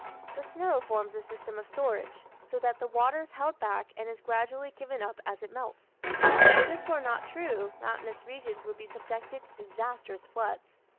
The snow forms a system of storage, so that the water is held back and is gradually given up as it melts. If this were not true mountainous regions would be subjected to disastrous floods.